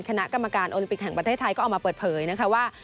คณะกรรมการโอลิมปิกแห่งประเทศไทยก็ออกมาเปิดเผยนะคะว่า